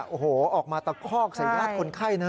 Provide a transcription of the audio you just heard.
โอ้โหออกมาตะคอกสัญลักษณ์คนไข้นะ